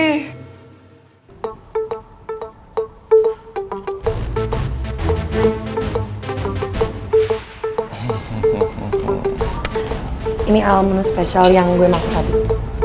hmm ini al menu spesial yang gue mau habis